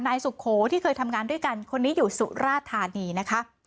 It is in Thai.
สุโขที่เคยทำงานด้วยกันคนนี้อยู่สุราธานีนะคะ